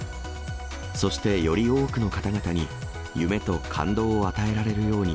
そして、より多くの方々に夢と感動を与えられるように、